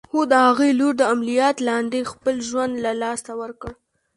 هو! د هغې لور د عمليات لاندې خپل ژوند له لاسه ورکړ.